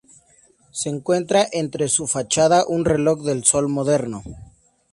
Se encuentra entre su fachada un reloj de sol moderno.